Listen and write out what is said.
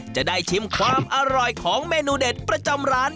จะได้ชิมความอร่อยของเมนูเด็ดประจำร้าน